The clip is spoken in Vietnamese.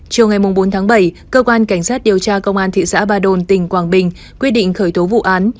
chiều ngày bốn tháng bảy cơ quan cảnh sát điều tra công an thị xã ba đồn tỉnh quảng bình quyết định khởi tố vụ án